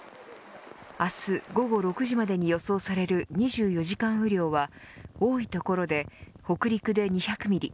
明日午後６時までに予想される２４時間雨量は多い所で、北陸で２００ミリ